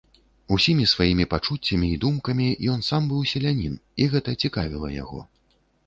Усімі сваімі пачуццямі і думкамі ён сам быў селянін, і гэта цікавіла яго.